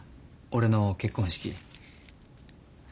俺の結婚式。